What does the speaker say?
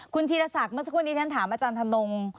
คุณธีรศักดิ์นะครับตอนนี้ท่านถามอาจารย์ทะนง